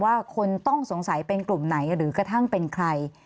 ว่าคนต้องสงสัยเป็นกลุ่มไหนหรือกระทั่งเป็นใคร